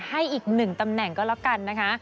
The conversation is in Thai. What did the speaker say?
ให้อีกหนึ่งตำแหน่งก็แล้วกันนะคะ